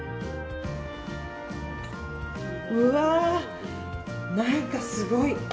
うわー、何かすごい。